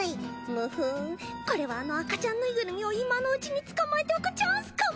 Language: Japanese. むふんこれはあの赤ちゃんぬいぐるみを今のうちに捕まえておくチャンスかも！